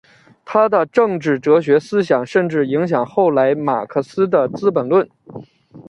他的政治哲学思想甚至影响后来马克思的资本论。